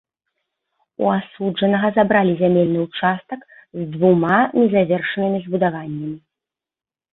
У асуджанага забралі зямельны ўчастак з двума незавершанымі збудаваннямі.